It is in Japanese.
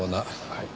はい。